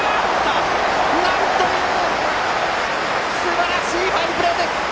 なんというすばらしいファインプレーです。